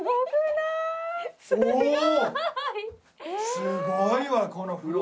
すごいわこの風呂。